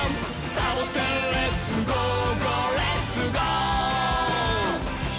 「サボテンレッツゴー！ゴーレッツゴー！」